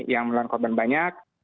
dan korban korban banyak